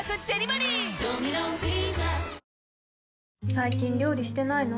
最近料理してないの？